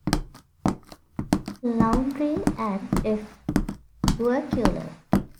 Louandre and F. Bourquelot.